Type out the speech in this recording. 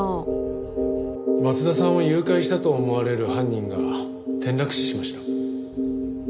松田さんを誘拐したと思われる犯人が転落死しました。